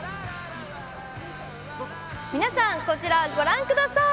皆さん、こちらをご覧ください。